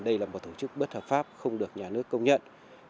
đây là một tổ chức bất hợp pháp không được nhà nước công nhận